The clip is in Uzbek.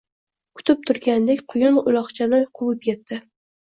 Kutib turgandek quyun uloqchani quvib yetdi